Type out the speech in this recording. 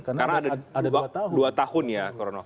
karena ada dua tahun ya